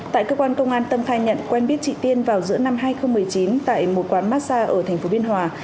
tại cơ quan công an tâm khai nhận quen biết chị tiên vào giữa năm hai nghìn một mươi chín tại một quán massage ở tp biên hòa